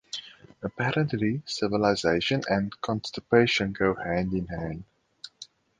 Apparently civilization and constipation go hand in hand.